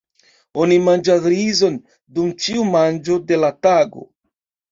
Oni manĝas rizon dum ĉiu manĝo de la tago.